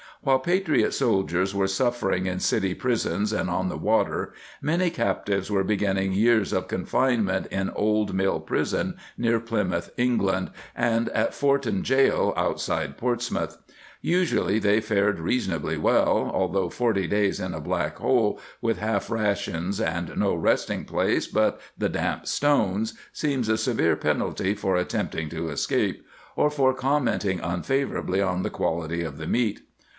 While patriot soldiers were suffering in city prisons and on the water many captives were be ginning years of confinement in Old Mill prison near Plymouth, England, and at Forton Gaol, outside Portsmouth. Usually they fared reason ably well, although forty days in a black hole, with half rations and no resting place but the damp stones, seems a severe penalty for attempt ing to escape, or for commenting unfavorajjly on the quality of the meat.